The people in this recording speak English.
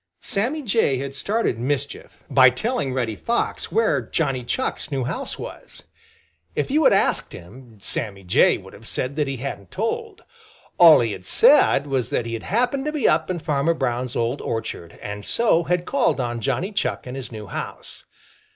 Sammy Jay had started mischief by telling Reddy Fox where Johnny Chuck's new house was. If you had asked him, Sammy Jay would have said that he hadn't told. All he had said was that he had happened to be up in Farmer Brown's old orchard and so had called on Johnny Chuck in his new house.